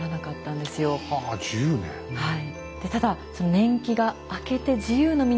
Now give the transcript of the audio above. はい。